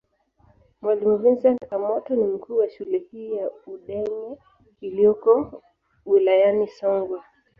Mwalimu Vincent Kamoto ni mkuu wa shule hii ya Udenye iliyoko wilayani Songwe